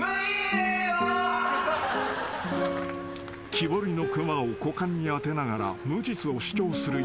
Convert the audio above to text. ［木彫りの熊を股間に当てながら無実を主張する八木］